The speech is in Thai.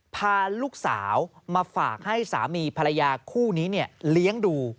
พาลูกสาวมาฝากให้สามีภรรยาคู่นี้เลี้ยงดู